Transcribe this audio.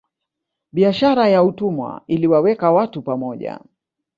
Biashara ya utumwa iliwaweka watu pamoja